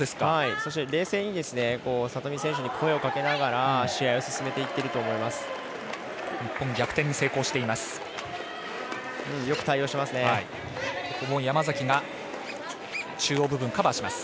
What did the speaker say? そして冷静に里見選手に声をかけながら試合を進めていっていると思います。